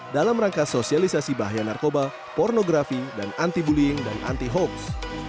dalam rangka sosialisasi bahaya narkoba pornografi dan anti bullying dan anti hoax